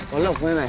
mới lục lên này